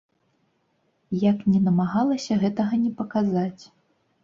Як ні намагалася гэтага не паказаць.